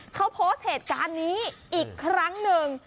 เขาโพสต์เหตุการณ์นี้อีกครั้งหนึ่ง